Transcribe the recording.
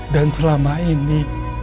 dan selama ini